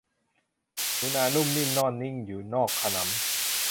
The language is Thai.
หนูนานุ่มนิ่มนอนนิ่งอยู่นอกขนำ